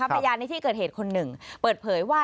พยานในที่เกิดเหตุคนหนึ่งเปิดเผยว่า